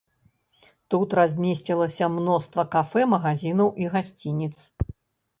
Тут размясцілася мноства кафэ, магазінаў і гасцініц.